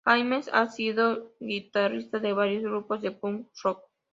James ha sido guitarrista de varios grupos de punk rock.